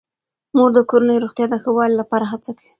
مور د کورنۍ روغتیا د ښه والي لپاره هڅه کوي.